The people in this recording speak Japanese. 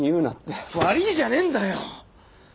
悪いじゃねえんだよ。